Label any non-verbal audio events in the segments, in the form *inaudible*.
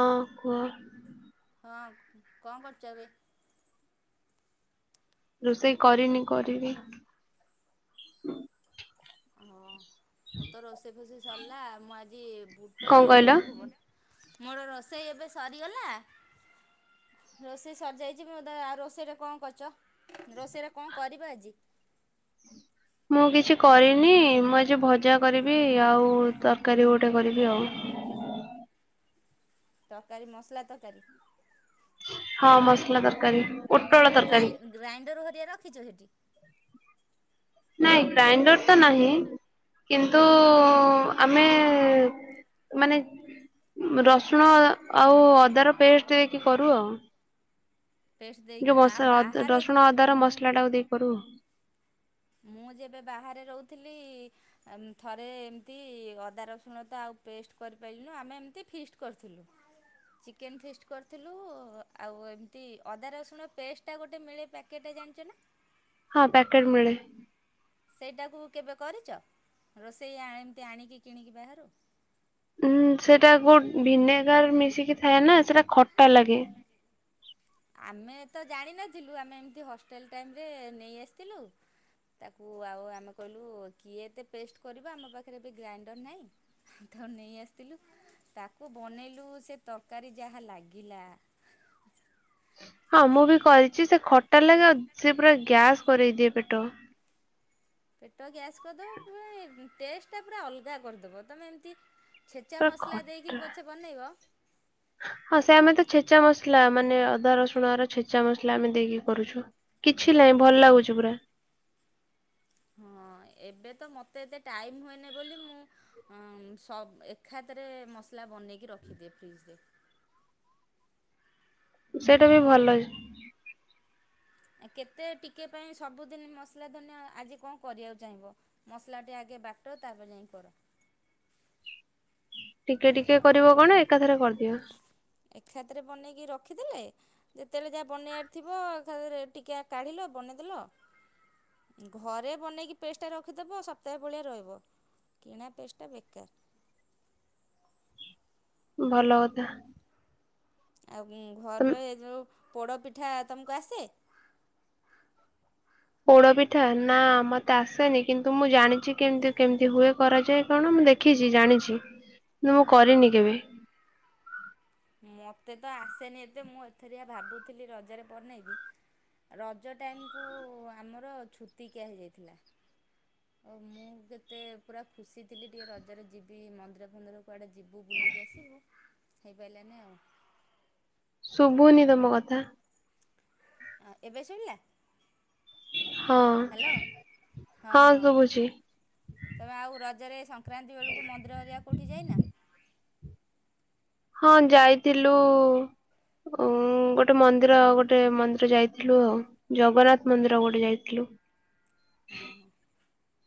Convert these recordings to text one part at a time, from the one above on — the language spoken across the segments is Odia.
ହଁ କୁହ। ହଁ କଣ କରୁଛ ଏବେ? ରୋଷେଇ କରିନି କରିବି। ଓ ହୋ ମୁଁ ତ ରୋଷେଇ ଫୋଷେଇ ସରିଲା ମୁଁ ଆଜି ବୁଟ କଣ କହିଲ? ଇଏଟାକୁ ବ ମୋର ରୋଷେଇ ଏବେ ସରିଗଲା। ରୋଷେଇ ସରିଯାଇଛି ମି ତ ଆଉ ରୋଷେଇରେ କଣ କରିଛ? ରୋଷେଇରେ କଣ କରିବ ଆଜି? ମୁଁ କିଛି କରିନି ମୁଁ ଆଜି ଭଜା କରିବି ଆଉ ତରକାରୀ ଗୋଟେ କରିବି ଆଉ। ତରକାରୀ ମସଲା ତରକାରୀ। ହଁ ମସଲା ତରକାରୀ। ପୋଟଳ ତମେ କଣ ତରକାରୀ ଗ୍ରାଇଁ ଗ୍ରାଇଣ୍ଡର ହରିଆ ରଖିଛ ସେଠି? ନାଇଁ ଗ୍ରାଇଣ୍ଡର ତ ନାହିଁ। କିନ୍ତୁ ଆମେ ମାନେ ରସୁଣ ଆଉ ଅଦାର ପେଷ୍ଟ ଦେଇକି କରୁ ଆଉ। ପେଷ୍ଟ ଯୋଉ ଦେଇକିଣା ଆଉ ମସ ବାହାରେ ରସୁଣ ଅଦାର ର ମୁଁ ମସଲା ଟାକୁ ଦେଇ କରିବୁ। ମୁଁ ଯେବେ ବାହାରେ ରହୁଥିଲି ଥରେ ଏମିତି ଅଦା ରସୁଣ ତ ଆଉ ପେଷ୍ଟ କରିପାରିଲୁନୁ ଆମେ ଏମିତି ଫିଷ୍ଟ କରିଥିଲୁ। ଚିକେନ୍ ଫିଷ୍ଟ କରିଥିଲୁ। ଆଉ ଏମିତି ଅଦା ରସୁଣ ପେଷ୍ ଏଟା ଗୋଟେ ମିଳେ ପ୍ୟାକେଟ୍ ଜାଣିଛ ନା। ହଁ ପ୍ୟାକେଟ୍ ମିଳେ। ସେଇଟାକୁ କେବେ କରିଛ ରୋଷେଇ ଏମିତି ଆଣିକି କିଣିକି ବାହାରୁ। ଉଁ ସେଟା ଗୋ ଭିନେଗାର୍ ମିଶିକି ଥାଏ ନା ସେଟା ଖଟା ଲାଗେ। ଆମେ ତ ଜାଣିନଥିଲୁ ଆମେ ଏମିତି ହଷ୍ଟେଲ୍ ଟାଇମ୍ ରେ ନେଇ ଆସିଥିଲୁ। ତାକୁ ଆଉ ଆମେ କହିଲୁ କିଏ ଏତେ ପେଷ୍ଟ କରିବ ଆମ ପାଖରେ ଏବେ ଗ୍ରାଇଣ୍ଡର୍ ନାହିଁ। ତ ନେଇ ଆସିଥିଲୁ ତାକୁ ବନେଇଲୁ ସେ ତରକାରୀ ଯାହା ଲାଗିଲା। ହଁ ମୁଁ ଛି ବି କରିଛି ସେ ଖଟା ଲାଗେ ଆଉ ସେ ପୁରା ଗ୍ୟାସ୍ କରେଇ ଦିଏ ପେଟ। ପେଟ ଗ୍ୟାସ୍ କରିଦବ ପୁରା ଟେଷ୍ଟଟା ପୁରା ଅଲଗା କରିଦବ। ତମେ ଏମିତି ଛେଚା ପୁରା ମସଲା ଦେଇକି ଖଟା ପଛେ ବନେଇବ। ହଁ ସେ ଆମେ ତ ଛେଚା ମସଲା ମାନେ ଅଦା ରସୁଣର ଛେଚା ମସଲା ଆମେ ଦେଇକି କରୁଛୁ। କିଛି ନାହିଁ ଭଲ ଲାଗୁଛି ପୁରା। ହଁ ଏବେ ତ ମତେ ଏତେ ଟାଇମ୍ ହୁଏନି ବୋଲି ମୁଁ ହଁ ସବ୍ ଏଖାତରେ ମସଲା ବନେଇକି ରଖିଦିଏ ଫ୍ରିଜ୍ ରେ। ସେଇଟା ବି ବନେଇକି ଭଲ କେତେ ଟିକେ ପାଇଁ ସବୁଦିନ ମସଲା ଧନିଆ ଆଜି କଣ କରିବାକୁ ଚାହିଁବ। ମସଲାଟି ଆଗେ ବାଟ ତାପରେ ଯାଇଁ କର। ଏମିତି ଟିକେ-ଟିକେ କରିବ କଣ ଏକାଥରେ କରିଦିଅ। ଏଖାତରେ ବନେଇକି ରଖିଦେଲେ ଯେତେବେଳେ ଯାହା ବନେଇବାର ଥିବ ଏଖାଥରେ ଟିକେ କାଢିଲ ବନେଇଦେଲ। ଘରେ ବନେଇକି ପେଷ୍ଟଟା ରଖିଦବ ସପ୍ତାହେ ଭଳିଆ ରହିବ। କିଣା ପେଷ୍ଟା ବେକାର୍। ଭଲ କଥା। ଆଉ ତମେ ଘରେ ଏ ଯୋଉ ପୋଡ଼ପିଠା ତୁମକୁ ଆସେ? ପୋଡ ପିଠା ନା ମତେ ଆସେନି କିନ୍ତୁ ମୁଁ ଜାଣିଛି କେମିତି-କେମିତି ହୁଏ କରାଯାଏ କଣ ମୁଁ ଦେ ଦେଖିଛି ଜାଣିଛି କିନ୍ତୁ ମୁଁ କରିନି କେବେ। ମତେ ତ ଆସେନି ଏତେ ମୁଁ ଏଥରିଆ ଭାବୁଥିଲି ରଜରେ ବନେଇବି। ରଜ ଟାଇମ୍ କୁ ଆମର ଛୁତିିକିଆ ହେଇଯାଇଥିଲା। ଓ ମୁଁ କେତେ ପୁରା ଖୁସି ଥିଲି ଟିକେ ରଜରେ ଯିବି ମନ୍ଦିର ଫନ୍ଦିର। କୁଆଡ଼େ ଯିବୁ ବୁଲିକି ଆସିବୁ ହେଇପାରିଲାନି ଆଉ। ଶୁଭୁନି ତମ କଥା। ଆ ଏବେ ଶୁଭିଲା? ହ୍ୟାଲୋ ହଁ ହଁ-ହଁ ହଁ ଶୁଭୁଛି। ତମେ ଆଉ ରଜରେ ସଂକ୍ରାନ୍ତି ବେଳକୁ ମନ୍ଦିର ହେରିକା କୋଉଠି ଯାଇନା। ହଁ ଯାଇଥିଲୁ ହୁଁ ଗୋଟେ ମନ୍ଦିର ଆଉ ଗୋଟେ ମନ୍ଦିର ଯାଇଥିଲୁ ଆଉ। ଜଗନ୍ନାଥ ମନ୍ଦିର ଗୋଟେ ଯାଇଥିଲୁ। ହଁ-ହଁ।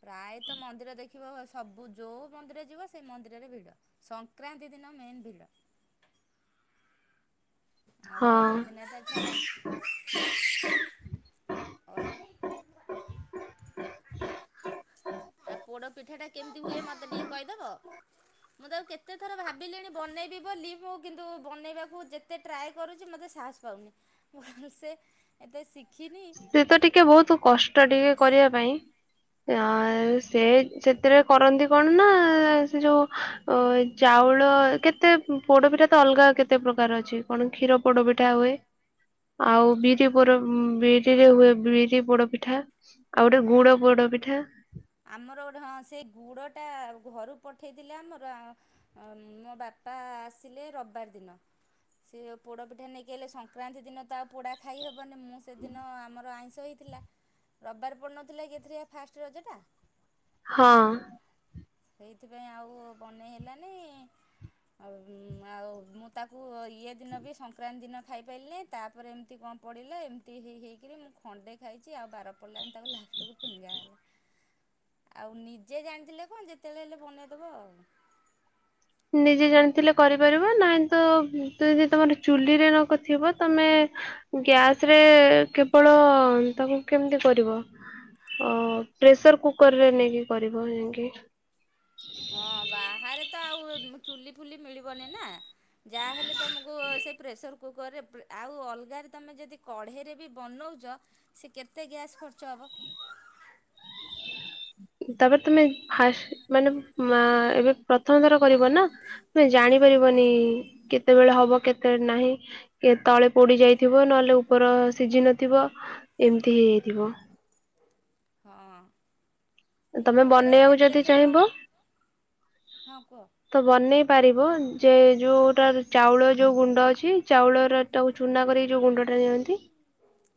ପ୍ରାୟତ ମନ୍ଦିର ଦେଖିବ ସବୁ ଯୋଉ ମନ୍ଦିର ଯିବ ସେଇ ମନ୍ଦିରରେ ଭିଡ। ସଂକ୍ରାନ୍ତି ଦିନ ମେନ୍ ଭିଡ଼। ଆଉ ହଁ ଅଲଗା ଦିନ ତ ଛାଡ। *unintelligible* ଆଉ ପୋଡ଼ ପିଠା ଟା କେମିତି ହୁଏ ମତେ ଟିକେ କହିଦବ। ମୁଁ ତାକୁ କେତେଥର ଭାବିଲିଣି ବନେଇବି ବୋଲି ମୁଁ କିନ୍ତୁ ବନେଇବାକୁ ଏତେ ଟ୍ରାଏ କରୁଛି ମୋତେ ସାହସ୍ ପାଉନି ମୁଁ ସେ ଏତେ ଶିଖିନି ସେ ତ ଟିକେ ବହୁତ କଷ୍ଟ ଟିକେ କରିବା ପାଇଁ ହଁ ସେ ସେଥିରେ କରନ୍ତି କଣ ନା ସେ ଯୋଉ ଓ ଚାଉଳ କେତେ ପୋଡପିଠା ତ ଅଲଗା କେତେ ପ୍ରକାର ଅଛି କଣ କ୍ଷୀର ପୋଡ ପିଠା ହୁଏ ଆଉ ବିରି ପୋଡ ବି ରେ ହୁଏ ବିରି ପୋଡପିଠା ଆଉ ଗୋଟେ ଆ ଗୁଡ ପୋଡ ପିଠା। ଆମର ଗୋଟେ ହଁ ସେଇ ଗୁଡ଼ଟା ଘରୁ ପଠେଇଥିଲେ ଆମର। ମୋ ବାପା ଆସିଲେ ରବିବାର ଦିନ। ସେ ପୋଡ଼ପିଠା ନେଇକି ଆଇଲେ ସଂକ୍ରାନ୍ତି ଦିନ ତା ପୋଡ଼ା ଖାଇ ହେବନି ମୁଁ ସେଦିନ ଆମର ଆଇଁଷ ହୋଇଥିଲା। ରବିବାର ପଡ଼ିନଥିଲା କି ଏଥିରିକା ଫାଷ୍ଟ ରଜଟା। ହଁ ସେଇଥିପାଇଁ ଆଉ ବନେଇ ହେଲାନି ଆଉ ଆଉ ମୁଁ ତାକୁ ଇଏ ଦିନ ବି ସଂକ୍ରାନ୍ତି ଦିନ ଖାଇପାରିଲି ତାପରେ ଏମିତି କଣ ପଡ଼ିଲା ଏମିତି ହେଇ ହେଇକିରି ମୁଁ ଖଣ୍ଡେ ଖାଇଛି ଆଉ ବାର ପଡ଼ିଲାନି ତାକୁ ଲାଷ୍ଟକୁ ଫିଙ୍ଗାାଗଲା। ଆଉ ନିଜେ ଜାଣିଥିଲେ କଣ ଯେତେବେଳେ ହେଲେ ବନେଇଦବ ଆଉ। ନିଜେ ଜାଣିଥିଲେ କରିପାରିବ ନାହିଁ ତ ଯ ଯଦି ତମର ଚୁଲିରେ ନକଥିବ ତମେ ଗ୍ୟାସ ରେ କେବଳ ତାକୁ କେମିତି କରିବ? ଅ ପ୍ରେସର କୁକର ରେ ନେଇକି କରିବ ଯାଇକି। ହଁ ବାହାରେ ତ ଆଉ ଚୁଲି ଫୁଲି ମିଳିବନି ନା। ଯାହାହେଲେ ତୁମକୁ ସେଇ ପ୍ରେସର କୁକରରେ ଆଉ ଅଲଗାରେ ତୁମେ ଯଦି କଢ଼େଇରେ ବି ବନଉଛ ସେ କେତେ ଗ୍ୟାସ୍ ଖର୍ଚ୍ଚ ହେବ। ତାପରେ ତମେ ଫା ମାନେ ମା ଏବେ ପ୍ରଥମ ଥର କରିବ ନା ତୁମେ ଜାଣିପାରିବନି କେତେବେଳେ ହବ କେତେ ନାହିଁ ତଳେ ପୋଡି ଯାଇଥିବ ନହେଲେ ଉପର ସିଝି ନଥିବ। ଏମିତି ହେଇଯାଇଥିବ। ହଁ ମୁଁ ତମେ ପରା ବନେଇବାକୁ ଯଦି କେତେଥର ଚାହିଁବ ହଁ କୁହ। ତ ବନେଇ ପାରିବ ଯେ ଯୋଉଟା ଚାଉଳ ଯୋଉ ଗୁଣ୍ଡ ଅଛି ଚାଉଳର ତାକୁ ଚୁନା କରିକି ଯୋଉ ଗୁଣ୍ଡ ଟା ଦିଅନ୍ତି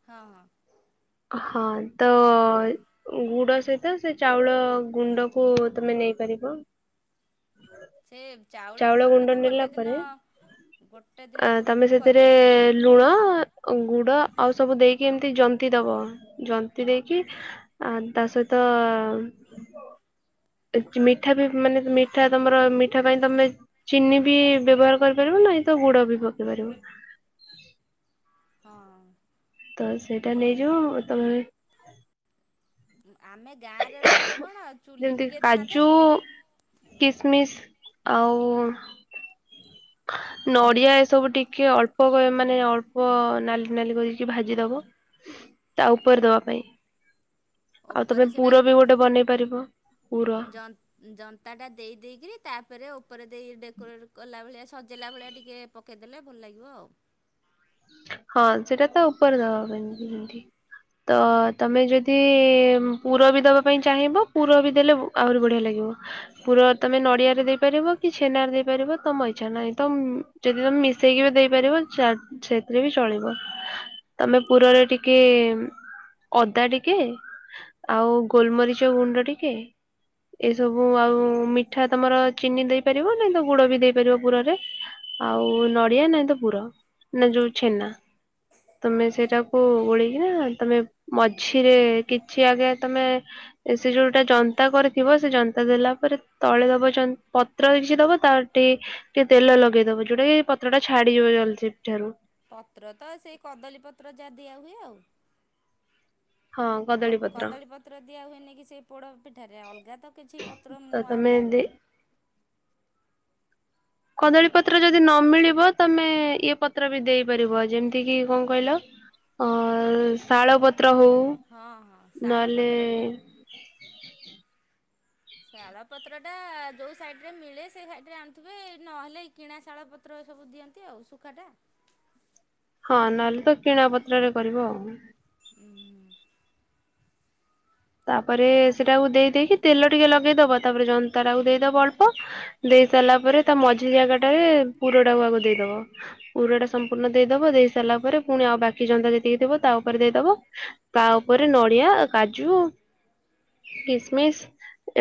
ହଁ ହଁ ହଁ ତ ଗୁଡ ସହିତ ସେ ଚାଉଳ ଗୁଣ୍ଡ କୁ ତମେ ନେଇପାରିବ। ସେ ଚାଉଳ ଗୁଣ୍ଡଟା ଗୁଣ୍ଡ ତ ନେଲା ଗୋଟେ ଦିନ ପରେ ଗୋଟେ ଦିନ ଆ ତମେ ପୂର୍ବରୁ ସେଥିରେ କରିବାକୁ ପଡ଼ିବ ଲୁଣ ଗୁଡ଼ ଆଉ ସବୁ ଦେଇକି ଏମିତି ଜନ୍ତିି ଦବ ଜନ୍ତିି ଦେଇକି ଆ ତା ସହିତ ମିଠା ବି ମାନେ ମିଠା ତମର ମିଠା ପାଇଁ ତମେ ଚିନି ବି ବ୍ୟବହାର କରିପାରିବ ନହିଁ ତ ଗୁଡ ବି ପକେଇ ପାରିବ। ହଁ। ତ ସେଇଟା ନେଇଯିବ ତମେ ଆମେ ଗାଁରେ ରହିଲେ କଣ ଚୁଲି ଯେମିତି ଟିକଏ ଥାଆନ୍ତା କାଜୁ ସୁବିଧା। କିସମିସ୍ ଆଉ ନଡିଆ ଏସବୁ ଟିକେ ଅଳ୍ କ କଇ ମାନେ ଅଳ୍ପ ନାଲି ନାଲି କରିକି ଭାଜି ଦବ ତା ଉପରେ ଦବା ପାଇଁ। ଆଉ ତମେ ଉପରେ ସେଟା ପୁର ବି ଗୋଟେ ବନେଇ ପାରିବ ପୁର। ଜନ୍ତା ଟା ଦେଇ ଦେଇକିରି ତାପରେ ଉପରେ ଦେଇ ଡେକୋରେଟ କଲା ଭଳିଆ ସଜେଇଲା ଭଳିଆ ଟିକେ ପକେଇଦେଲେ ଭଲ ଲାଗିବ ଆଉ। ହଁ ସେଇଟା ତ ଉପରେ ଦବା କେମିତି ଏମତି ତ ତମେ ଯଦି ପୁର ବି ଦବା ପାଇଁ ଚାହିଁବ ପୁର ବି ଦେଲେ ଆହୁରି ବଢିଆ ଲାଗିବ। ପୁର ତମେ ନଡିଆରେ ଦେଇପାରିବ କି ଛେନାରେ ଦେଇପାରିବ ତମ ଇଚ୍ଛା ନାହିଁ ତମ୍ ଯଦି ତମେ ମିଶେଇକି ବି ଦେଇପାରିବ ଚା ସେଥିରେ ବି ଚଳିବ ତମେ ପୁରରେ ଟିକ୍ କେ ଅଦା ଟିକେ ଆଉ ଗୋଲମରିଚ ଗୁଣ୍ଡ ଟିକେ। ଏସବୁ ଆଉ ମିଠା ତମର ଚିନି ଦେଇପାରିବ ନାହିଁ ତ ଗୁଡ ବି ଦେଇପାରିବ ପୁରରେ। ଆଉ ନଡିଆ ନାଇଁ ତ ପୁର ନା ଯୋଉ ଛେନା ତମେ ଓହୋ ସେଇଟାକୁ ଗୋଳେଇ କି ନା ତମେ ମଝିରେ କିଛି ଆଜ୍ଞା ତମେ ଏ ସେ ଯୋଉଟା ଜନ୍ତା କରିଥିବ ସେ ଜନ୍ତା ଦେଲା ପରେ। ତଳେ ଦବ ଯ ପତ୍ର କିଛି ଦବ ତାଟି ଟିକେ ତେଲ ଲଗେଇଦବ ଯୋଉଟା କି ପତ୍ର ଟା ଛାଡିଯିବ ଜଲଦି ସେଠାରୁ। ପତ୍ର ତ ସେଇ କଦଳୀପତ୍ର ଯାହା ଦିଆହୁଏ ଆଉ। ହଁ କ କଦଳୀ ପତ୍ର କଦଳୀପତ୍ର ଦିଆ ହୁଏନି କି ସେ ପୋଡ଼ ପିଠାରେ ଅଲଗା ତ କିଛି ପତ୍ର ତ ମୁଁ ଆଉ ତମେ ଦେ ଜାଣିନି। କଦଳୀ ପତ୍ର ଯଦି ନମିଳିବ ତମେ ଇଏ ପତ୍ର ବି ଦେଇପାରିବ ଯେମିତି କିି କଣ କହିଲ? ଅ ଶାଳ ପତ୍ର ହଉ ହଁ ହଁ ନହେଲେ ଶାଳପତ୍ରଟା ଶାଳ ପତ୍ର ଟା ଯୋଉ ସାଇଡ୍ ରେ ମିଳେ ସେ ସାଇଡ୍ ରେ ଆଣୁଥିବେ ନହେଲେ କିଣା ଶାଳ ପ ତ୍ର ସବୁ ଦିଅନ୍ତି ଆଉ ଶୁଖାଟା। ହଁ ନହେଲେ ତ କିଣା ପତ୍ରରେ କରିବ। ହୁଁ ହୁଁ। ତାପରେ ଆଜି ସେଟାକୁ ଦେଇଦେଇକି ତେଲ ଟିକେ ଲଗେଇଦବ ତାପରେ ଜନ୍ତା ଟାକୁ ଦେଇଦବ ଅଳ୍ପ। ଦେଇ ସାରିଲା ପରେ ତା ମଝି ଜାଗା ଟାରେ ପୁରଟାକୁୁ ଆକୁ ଦେଇଦବ। ପୁରଟା ସମ୍ପୂର୍ଣ୍ଣ ଦେଇଦବ ଦେଇ ସାରିଲା ପରେ ପୁଣି ଆଉ ବାକି ଜନ୍ତା ଯେତିକି ଥିବ ତା ଉପରେ ଦେଇଦବ। ତା ଉପରେ ନଡିଆ, କାଜୁ, କିସମିସ।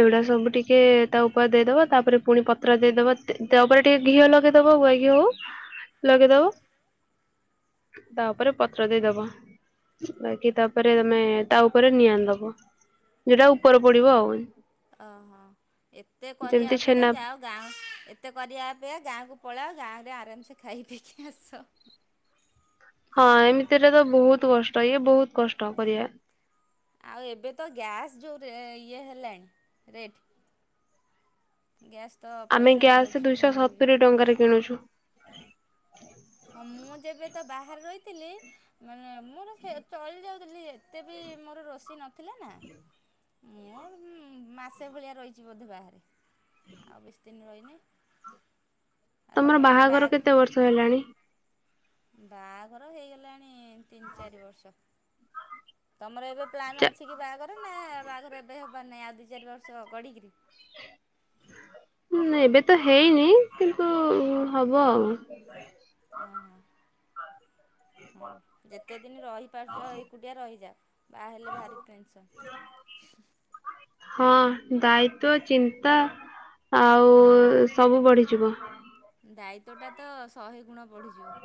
ଏଗୁଡା ସବୁ ଟିକେ ତା ଉପରେ ଦେଇଦବ ତାପରେ ପୁଣି ପତ୍ର ଦେଇଦବ ତା ଦବା ଟିକେ ଘିଅ ନଗେଇଦବ ଗୁଆ ଘିଅ ହଉ। *inaudible* ଲଗେଇଦବ ତା ଉପରେ ପତ୍ର ଦେଇଦବ। ବାକି ତାପରେ ତମେ ତା ଉପରେ ନିଆଁ ଦବ। ଯଉଟା ଉପର ପଡିବ ଆଉ। ଓହୋ ଏତେ କରିବା ଯେମିତି ଅପେକ୍ଷା ଛେନା ଯାଅ ଗାଁ ଏତେ କରିବା ଅପେକ୍ଷା ଗାଁକୁ ପଳାଅ ଗାଁରେ ଆରାମସେ ଖାଇ ପିଇିକି ଆସ। ହଁ ଏମିତିରେ ତ ବହୁତ କଷ୍ଟ ଇଏ ବହୁତ କଷ୍ଟ କରିବା। ଆଉ ଏବେ ତ ଗ୍ୟାସ୍ ଯଉ ରେ ଇଏ ହେଲାଣି ରେଟ୍। ଗ୍ୟାସ୍ ତ ଆମେ ପଇସା ଗ୍ୟାସ୍ ଦୁଇଶହ ମିଳୁଛି ସତୁୁରୀ ଟଙ୍କାରେ କିଣୁଛୁ। ହଁ ମୁଁ ଯେବେ ତ ବାହାରେ ରହିଥିଲି- ମାନେ ମୋର ଚଳି ଯାଉଥିଲି ଏତେ ବି ମୋର ରୋଷେଇ ନଥିଲା ନା। ମୋର ମାସେ ଭଳିଆ ରହିଛି ବୋଧେ ବାହାରେ ଆଉ ବେଶି ଦିନ ରହିନି। *inaudible* ତମର ଏବେ ବାହାଘର ବାହାଘ କେତେ ବର୍ଷ ହେଲାଣି? ବାହାଘର ହେଇଗଲାଣି ତିନି ଚାରି ବର୍ଷ ତମର ଏବେ ପ୍ଲାନ୍ ଅଛି କି ବାହା ଘରନା ବାହାଘର ଏବେ ହେବାର ନାହିଁ ଆଉ ଦୁଇ ଚାରି ବର୍ଷ ଗଡ଼ିକରି। ହୁଁ ଏବେ ତ ହେଇନି କିନ୍ତୁ ହବ ଆଉ। ଓହୋ ହଁ ଯେତେ ଦିନ ରହିପାରୁଛ ଏକୁଟିଆ ରହିଯାଅ। ବାହା ହେଲେ ଭାରି ଟେନ୍ସନ୍। *inaudible* ହଁ ଦାୟିତ୍ୱ ଚିନ୍ତା। ଆଉ ସବୁ ବଢିଯିବ। ଦାୟିତ୍ୱ ଟା ତ ଶହେ ଗୁଣ ବଢିଯିବ।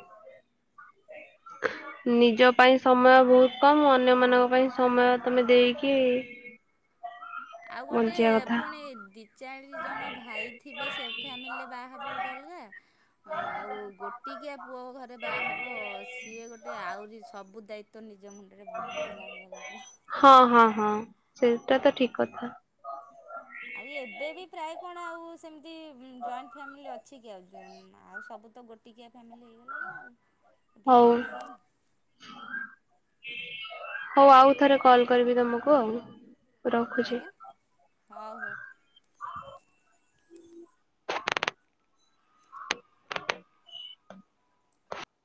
ନିଜ ପାଇଁ ସମୟ ବହୁତ କମ୍ ଅନ୍ୟ ମାନଙ୍କ ପାଇଁ ସମୟ ତମେ ଦେଇକି ଆଉ ଗୋଟେ ବଞ୍ଚିବା କଥା ଫୁଣି ଦି ଚାଳିଶ ଜଣ ଭାଇ ଥିବେ ସେ ଫ୍ୟାମିଲିରେ ବାହା ହବୁ ଗୋଟେ ଅଲଗା। ଆଉ ଗୋଟିକିଆ ପୁଅ ଘରେ ବାହା ହେବ ସିଏ ଗୋଟେ ଆହୁରି ସବୁ ଦାୟିତ୍ଵ ନିଜ ମୁଁ ଗୋଟେ ବୁଧିଦେଲା ଭଳିଆ ଲାଗିବ। ହଁ ହଁ ହଁ ସେଟା ତ ଠିକ କଥା। ଆଉ ଏବେ ବି ପ୍ରାୟ କଣ ଆଉ ସେମିତି ଜଏଣ୍ଟ ଫ୍ୟାମିଲି ଅ ଅଛି କି ଆଉ ଆଉ ସବୁ ତ ଗୋଟିକିଆ ଫ୍ୟାମିଲି ହେଇଗଲାଣି ଆଉ। ହଉ। ଗୋଟିକିଆ ପରିବାର ହଉ ଆଉ ଥରେ କଲ୍ କରିବି ତମକୁ ଆଉ। ରଖୁଛି। ଆଜ୍ଞା ହଉ ହଉ।